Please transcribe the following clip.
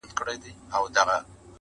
د لېوه سترگي د ده غوښوته سرې وې -